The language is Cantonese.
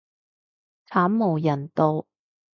慘無人道